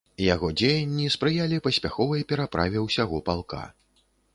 Яго дзеянні спрыялі паспяховай пераправе ўсяго палка.